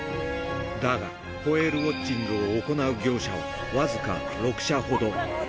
だが、ホエールウォッチングを行う業者は僅か６社ほど。